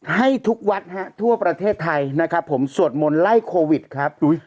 ให้ทุกวัดฮะทั่วประเทศไทยนะครับผมสวดมนต์ไล่โควิดครับ